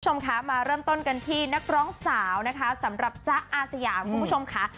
คุณผู้ชมคะมาเริ่มต้นกันที่นักร้องสาวนะคะสำหรับจ๊ะอาสยามคุณผู้ชมค่ะ